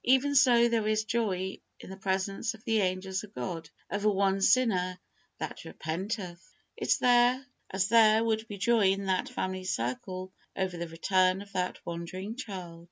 "Even so there is joy in the presence of the angels of God over one sinner that repenteth!" as there would be joy in that family circle over the return of that wandering child.